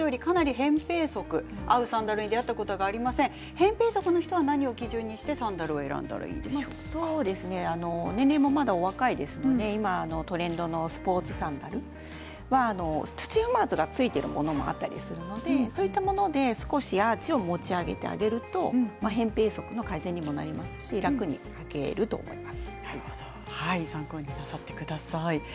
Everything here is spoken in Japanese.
へん平足の人は何を基準にして年齢もお若いですので今トレンドのスポーツサンダル土踏まずがついているものもあったりするのでそういったもので少しアーチを持ち上げてあげるとへん平足の改善にもなりますし楽に履けると思います。